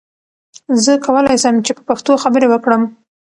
زه کولی سم چې په پښتو خبرې وکړم.